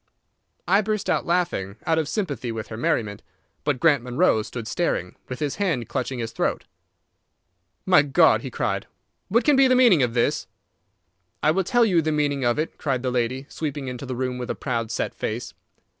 I burst out laughing, out of sympathy with her merriment; but Grant Munro stood staring, with his hand clutching his throat. "My God!" he cried. "What can be the meaning of this?" "I will tell you the meaning of it," cried the lady, sweeping into the room with a proud, set face.